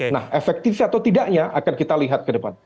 nah efektif atau tidaknya akan kita lihat ke depan